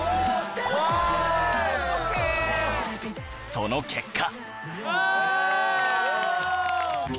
その結果